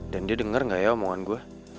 dan dia denger gak ya omongan gue